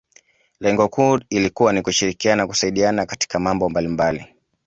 Lengo kuu ilikuwa ni kushirikiana na kusaidiana katika mambo mbalimbali